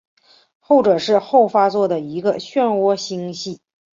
后者是后发座的一个旋涡星系。